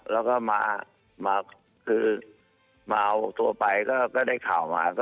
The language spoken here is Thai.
แล้วก็มาคือมาเอาตัวไปก็ได้ข่าวมา